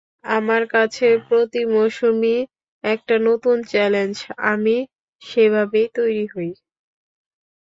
আমার কাছে প্রতি মৌসুমই একটা নতুন চ্যালেঞ্জ, আমি সেভাবেই তৈরি হই।